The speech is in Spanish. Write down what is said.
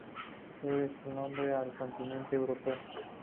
Debe su nombre al continente europeo.